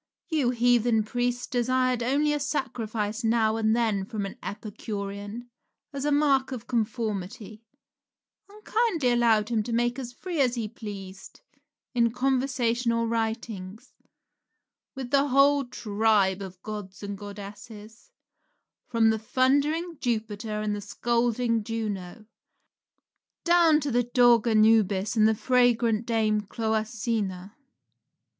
Your heathen priests desired only a sacrifice now and then from an Epicurean as a mark of conformity, and kindly allowed him to make as free as he pleased, in conversation or writings, with the whole tribe of gods and goddesses from the thundering Jupiter and the scolding Juno, down to the dog Anubis and the fragrant dame Cloacina.